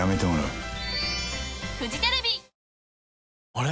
あれ？